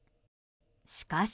しかし。